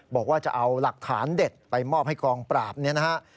บอกว่าจะเอาหลักฐานเด็ดไปมอบให้กองปราบเนี่ยนะฮะ